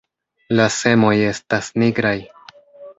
La semoj estas nigraj.